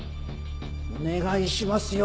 お願いしますよ。